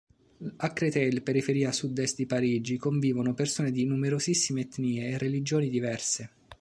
A Créteil, periferia sud-est di Parigi, convivono persone di numerosissime etnie e religioni diverse.